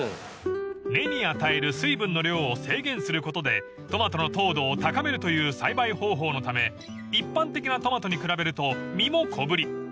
［根に与える水分の量を制限することでトマトの糖度を高めるという栽培方法のため一般的なトマトに比べると実も小ぶり］